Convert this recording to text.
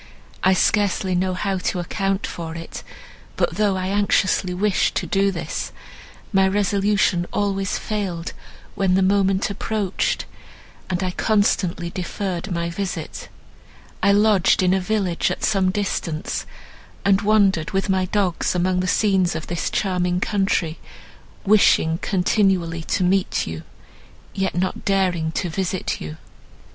I scarcely know how to account for it; but, though I anxiously wished to do this, my resolution always failed, when the moment approached, and I constantly deferred my visit. I lodged in a village at some distance, and wandered with my dogs, among the scenes of this charming country, wishing continually to meet you, yet not daring to visit you."